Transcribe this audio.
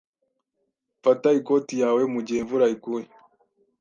Fata ikoti yawe mugihe imvura iguye.